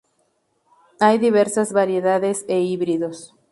Hay diversas variedades e híbridos.